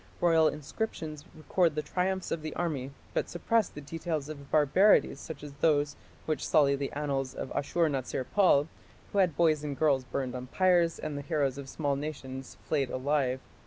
Royal inscriptions record the triumphs of the army, but suppress the details of barbarities such as those which sully the annals of Ashur natsir pal, who had boys and girls burned on pyres and the heroes of small nations flayed alive.